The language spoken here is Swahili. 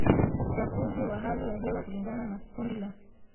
uchafuzi wa hali ya hewa kulingana na kundi la